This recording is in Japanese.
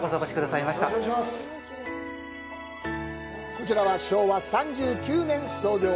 こちらは、昭和３９年創業。